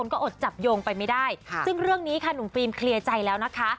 ก็อดจับโยงไปไม่ได้ซึ่งเรื่องนี้ค่ะหนุ่มฟิล์มเคลียร์ใจแล้วนะคะ